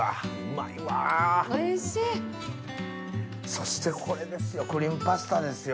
そしてこれですよクリームパスタですよ。